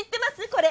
これ。